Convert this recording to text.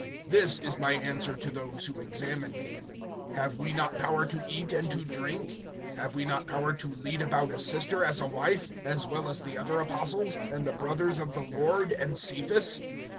(3)This is my answer to those who examine me. (4)Have we not power to eat and to drink? (5)Have we not power to lead about a sister as a wife, as well as the other apostles, and the brothers of the Lord, and Cephas?